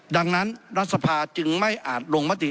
ดังนั้นรัฐสภาจึงไม่อาจลงมติ